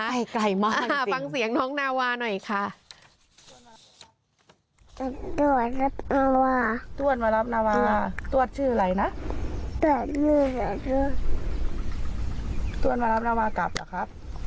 ไปไกลมากจริงทิศค่ะฟังเสียงน้องนาวาหน่อยคะ